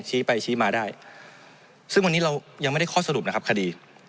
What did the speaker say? ชี้ไปชี้มาได้ซึ่งวันนี้เรายังไม่ได้ข้อสรุปนะครับคดี